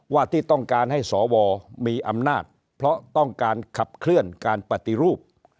ว่าที่ต้องการให้สวมีอำนาจเพราะต้องการขับเคลื่อนการปฏิรูป